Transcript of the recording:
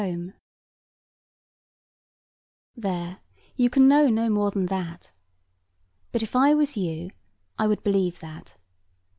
[Picture: Woman teacher] There, you can know no more than that. But if I was you, I would believe that.